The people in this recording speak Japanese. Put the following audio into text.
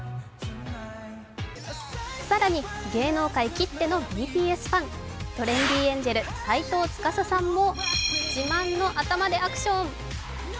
更に、芸能界きってのＢＴＳファン、トレンディエンジェル・斎藤司さんも自慢の頭でアクション。